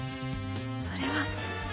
それは。